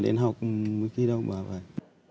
đến học mấy khi đâu mà phải